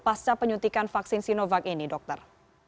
pasca penyuntikan vaksin sinovac ini dokter